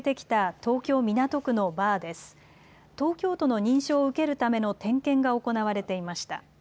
東京都の認証を受けるための点検が行われていました。